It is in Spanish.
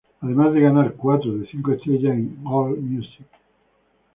Además de ganar cuatro de cinco estrellas en All Music.